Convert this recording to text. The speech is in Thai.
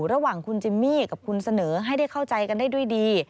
ระหว่างคุณจิมมี่กับคุณเสนอให้ได้เข้าใจกันได้ด้วยดี